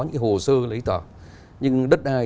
những hồ sơ lấy tờ nhưng đất đai